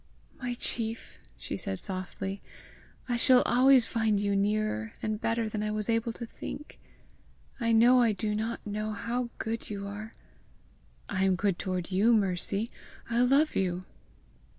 "My chief!" she said softly. "I shall always find you nearer and better than I was able to think! I know I do not know how good you are." "I am good toward you, Mercy! I love you!"